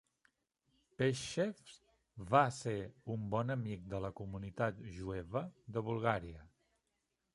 Peshev va ser un bon amic de la comunitat jueva de Bulgària.